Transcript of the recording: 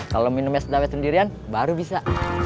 kalau minum es dawet sendirian baru bisa